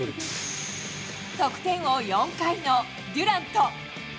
得点王４回のデュラント。